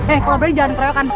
eh kalau berani jangan perayakan